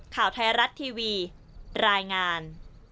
ข่าวไทยรัฐทีวีรายงาน